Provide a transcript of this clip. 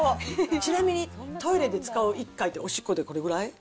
ちなみに、トイレで使う１回っておしっこどれくらい？